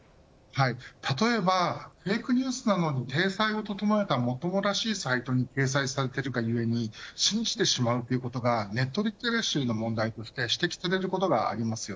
例えば、フェイクニュースなどに、体裁を整えたもっともらしいサイトに掲載されているがゆえに信じてしまうということがネットリテラシーの問題として指摘されることがあります。